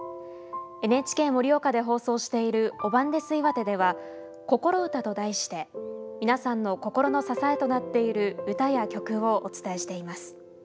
ＮＨＫ盛岡で放送している「おばんですいわて」では「こころウタ」と題して皆さんの心の支えとなっているウタや曲をお伝えしています。